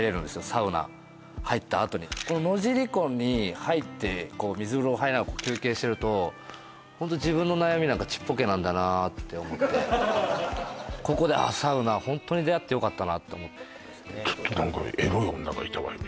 サウナ入ったあとにこの野尻湖に入ってこう水風呂入りながら休憩してるとホント自分の悩みなんかちっぽけなんだなって思ってここであっサウナホントに出会ってよかったなって思ってちょっと何かエロい女がいたわよ